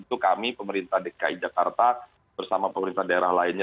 itu kami pemerintah dki jakarta bersama pemerintah daerah lainnya